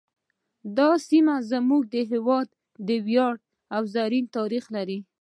دا سیمه زموږ د هیواد یو ویاړلی او زرین تاریخ لري